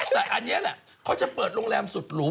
แต่อันนี้แหละเขาจะเปิดโรงแรมสุดหรู